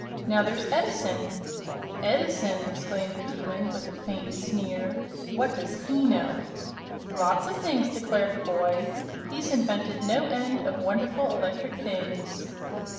"Now, there's Edison " "Edison!" exclaimed the Demon, with a faint sneer; "what does he know?" "Lots of things," declared the boy. "He's invented no end of wonderful electrical things."